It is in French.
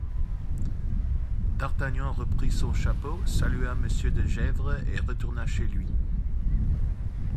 D'Artagnan reprit son chapeau, salua Monsieur de Gesvres et retourna chez lui.